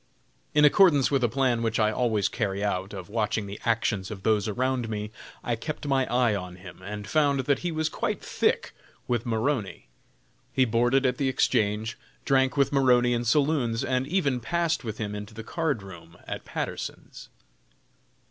In accordance with a plan which I always carry out, of watching the actions of those around me, I kept my eye on him, and found that he was quite "thick" with Maroney. He boarded at the Exchange, drank with Maroney in saloons, and even passed with him into the card room at Patterson's.